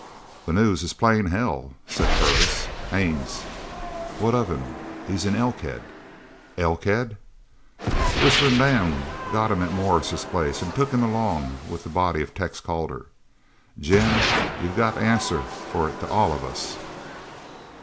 "The news is plain hell," said Purvis, "Haines " "What of him?" "He's in Elkhead!" "Elkhead?" "Whistling Dan got him at Morris's place and took him in along with the body of Tex Calder. Jim, you got to answer for it to all of us.